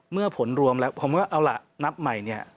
เมื่อผลรวมแล้วผมก็เอาล่ะนับใหม่เนี่ย